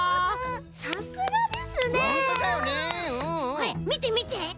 これみてみて！